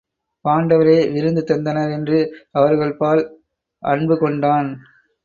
பாண்டவரே விருந்து தந்தனர் என்று அவர்கள் பால் அன்பு கொண்டான்.